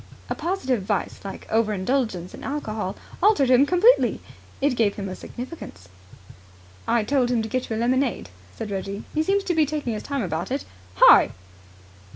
A positive vice like over indulgence in alcohol altered him completely. It gave him a significance. "I told him to get you a lemonade," said Reggie. "He seems to be taking his time about it. Hi!"